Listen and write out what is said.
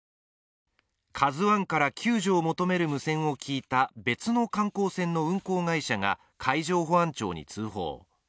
「ＫＡＺＵⅠ」から救助を求める無線を聞いた別の観光船の運航会社が海上保安庁に通報。